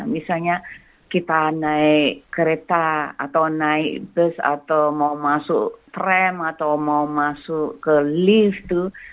misalnya kita naik kereta atau naik bus atau mau masuk tram atau mau masuk ke lift tuh